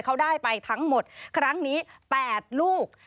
เขาได้ไปทั้งหมดครั้งนี้๘ลูก